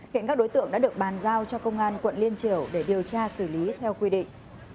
hiện các đối tượng đã được bàn giao cho công an quận liên triều để điều tra xử lý theo quy định